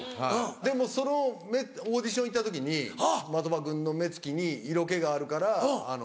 でもそのオーディション行った時に「的場君の目つきに色気があるから」